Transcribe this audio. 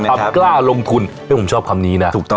กล้าทำกล้าลงทุนเพราะฉะนั้นผมชอบคำนี้นะ